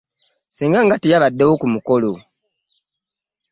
Ssenga nga teyabaddewo ku mukolo!